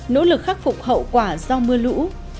nỗ lực khắc phục hậu quả do mưa lũ